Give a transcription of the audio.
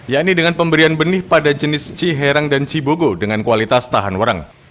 yaitu dengan pemberian benih pada jenis cih herang dan cibogo dengan kualitas tahan warang